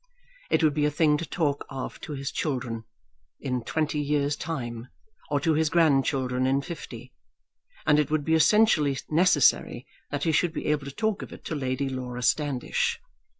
It would be a thing to talk of to his children in twenty years' time, or to his grandchildren in fifty; and it would be essentially necessary that he should be able to talk of it to Lady Laura Standish.